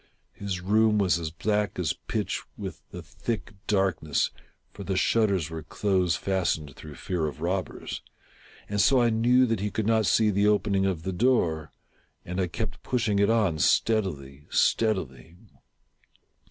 His room was as black as pitch with the thick darkness, (for the shutters were close fastened, through fear of robbers,) and so I knew that he could not see the opening of the door, and I kept pushing it on steadily, steadily.